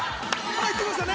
◆入ってましたね！